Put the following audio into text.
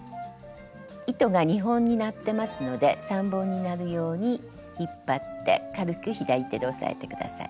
糸が２本になってますので３本になるように引っ張って軽く左手で押さえて下さい。